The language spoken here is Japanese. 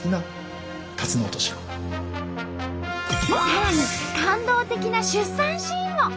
さらに感動的な出産シーンも。